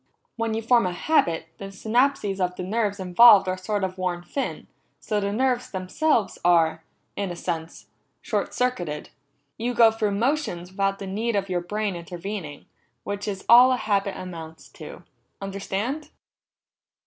When you form a habit, the synapses of the nerves involved are sort of worn thin, so the nerves themselves are, in a sense, short circuited. You go through motions without the need of your brain intervening, which is all a habit amounts to. Understand?"